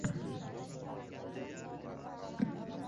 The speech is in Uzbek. Bu – ishning yarmi bitdi degani edi